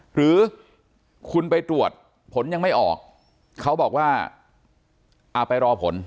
หรือคุณไปตรวจผลยังไม่ออกเขาบอกว่าไปรอผล